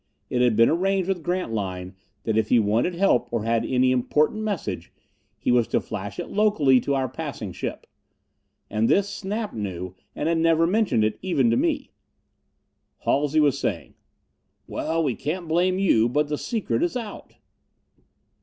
It had been arranged with Grantline that if he wanted help or had any important message, he was to flash it locally to our passing ship. And this Snap knew, and had never mentioned it, even to me. Halsey was saying, "Well, we can't blame you, but the secret is out."